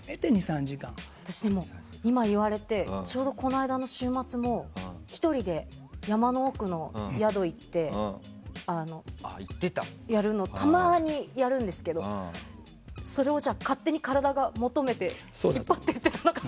今、言われてちょうどこの間の週末も１人で山の奥の宿に行くってたまにやるんですけどそれを勝手に体が求めて引っ張ってたのかな。